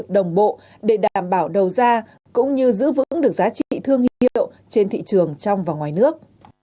đồng bộ để đảm bảo đầu ra cũng như giữ vững được giá trị thương hiệu trên thị trường trong và ngoài nước